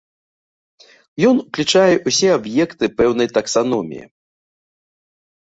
Ён уключае ўсе аб'екты пэўнай таксаноміі.